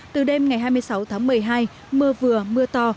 từ đêm ngày hai mươi sáu tháng một mươi hai mưa vừa mưa to